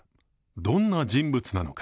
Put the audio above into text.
どんな人物なのか。